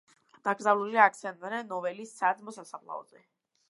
დაკრძალულია ალექსანდრე ნეველის საძმო სასაფლაოზე.